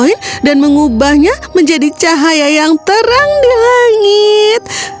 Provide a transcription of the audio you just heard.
imbalan untuk sebuah koin dan mengubahnya menjadi cahaya yang terang di langit